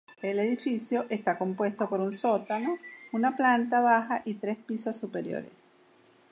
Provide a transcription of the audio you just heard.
El edificio está compuesto por un sótano, una planta baja, y tres pisos superiores.